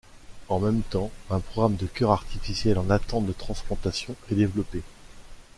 En même temps, un programme de cœurs artificiels en attente de transplantation est développé.